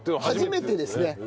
初めてですね。